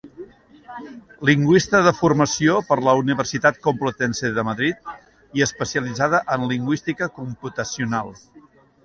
Lingüista de formació per la Universitat Complutense de Madrid i especialitzada en lingüística computacional.